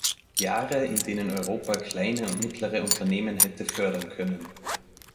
Jahre, in denen Europa kleine und mittlere Unternehmen hätte fördern können.